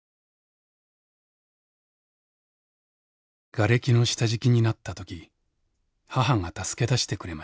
「がれきの下敷きになった時母が助け出してくれました。